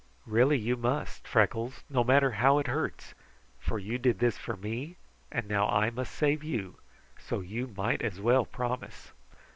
Really you must, Freckles, no matter how it hurts, for you did this for me, and now I must save you, so you might as well promise."